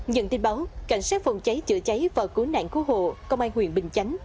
nhận tin báo cảnh sát phòng cháy chữa cháy và cứu nạn cứu hộ công an huyện bình chánh